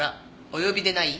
お呼びでない？